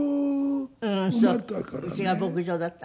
うちが牧場だった。